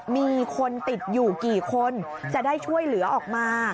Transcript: มีคนติดอยู่กี่คนจะได้ช่วยเหลือออกมา